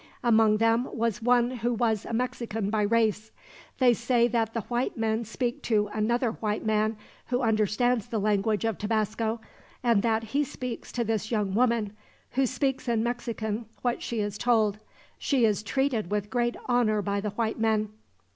Among them was one who was a Mexican by race. They say that the white men speak to another white man who understands the language of Tabasco, and that he speaks to this young woman, who speaks in Mexican what she is told. She is treated with great honor by the white men."